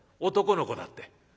男の子だって」。